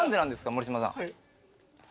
森島さん。